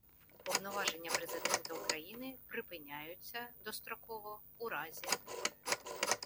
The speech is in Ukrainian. Повноваження Президента України припиняються достроково у разі: